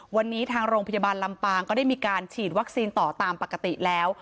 วันนี้ทางโรงพยาบาลลำปางก็ได้มีการฉีดวัคซีนต่อตามปกติแล้ว